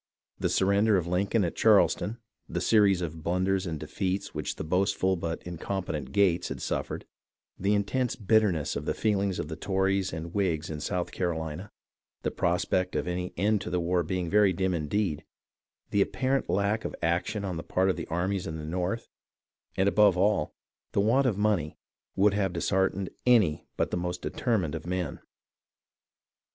The surrender of Lincoln at Charleston, the series of blunders and defeats which the boastful but incompetent Gates had suffered, the intense bitterness of the feelings of the Tories and Whigs in South Carolina, the prospect of any end to the war being very dim indeed, the apparent lack of action on the part of the armies in the North, and, above all, the want of money, would have disheartened any but the most determined of men.